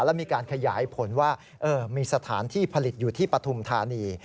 แล้วมีการขยายผลว่ามีสถานที่ผลิตอยู่ที่ปฐุมธานี